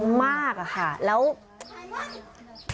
มากอะค่ะแล้ว